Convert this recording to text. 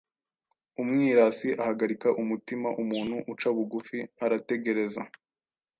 Umwirasi ahagarika umutima ; umuntu uca bugufi arategereza.